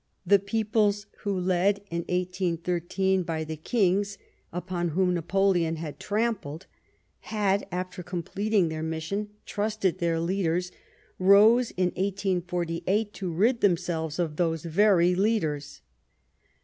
The peoples, who, led in 1813 by the kings upon whom Napoleon had trampled, had, after completing their mission, trusted their leaders, rose in 1848 to rid themselves of those very leaders.